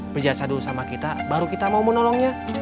berjasa dulu sama kita baru kita mau menolongnya